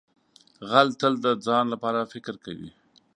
غل تل د ځان لپاره فکر کوي